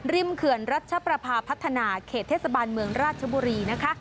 เขื่อนรัชประพาพัฒนาเขตเทศบาลเมืองราชบุรีนะคะ